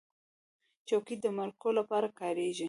چوکۍ د مرکو لپاره کارېږي.